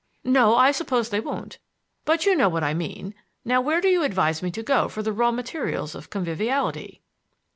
"No, I suppose they won't. But you know what I mean. Now, where do you advise me to go for the raw materials of conviviality?"